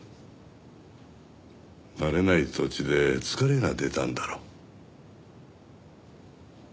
慣れない土地で疲れが出たんだろう。